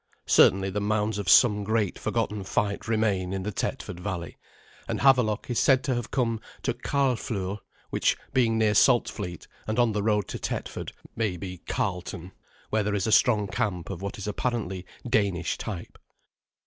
Certainly the mounds of some great forgotten fight remain in the Tetford valley, and Havelok is said to have come to "Carleflure," which, being near Saltfleet, and on the road to Tetford, may be Canton, where there is a strong camp of what is apparently Danish type.